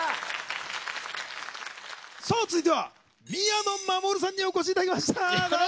さあ続いては宮野真守さんにお越しいただきました。